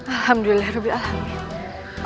alhamdulillah rabbil alamin